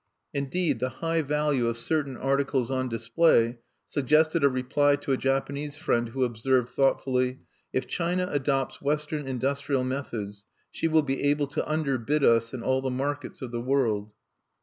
Indeed, the high value of certain articles on display suggested a reply to a Japanese friend who observed, thoughtfully, "If China adopts Western industrial methods, she will be able to underbid us in all the markets of the world."